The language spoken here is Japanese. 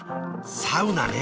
サウナね。